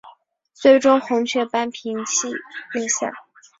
最终红雀扳平系列赛。